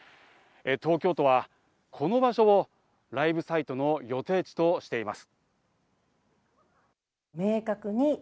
東京都はこの場所をライブサイトの予定地としています。